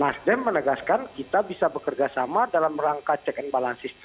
nasdem menegaskan kita bisa bekerjasama dalam rangka check and balances